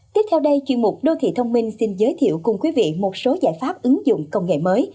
tiếp theo đây chuyên mục đô thị thông minh xin giới thiệu cùng quý vị một số giải pháp ứng dụng công nghệ mới